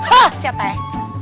hah siat teh